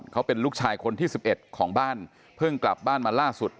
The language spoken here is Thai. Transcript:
เขาเป็นลูกชายคนที่๑๑ของบ้านเพิ่งกลับบ้านมาล่าสุด